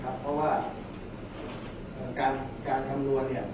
แต่ว่าไม่มีปรากฏว่าถ้าเกิดคนให้ยาที่๓๑